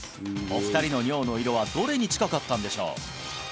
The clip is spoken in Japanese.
お二人の尿の色はどれに近かったんでしょう？